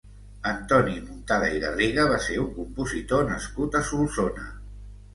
Antoni Muntada i Garriga va ser un compositor nascut a Solsona.